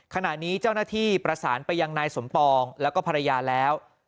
ขณะนี้เจ้าหน้าที่ประสานไปยังนายสมปองแล้วก็ภรรยาแล้ว